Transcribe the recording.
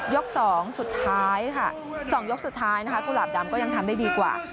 ยกสองสุดท้ายสองยกสุดท้ายกุหลาบดำก็ยังทำได้ดีกว่า